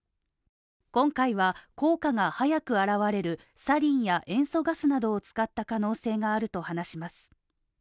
今回は、効果が早く現れる、サリンや塩素ガスなどを使った可能性があると話します。